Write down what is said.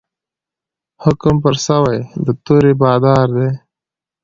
حکم پر سوی د تور بادار دی